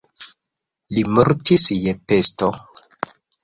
Li mortis je pesto.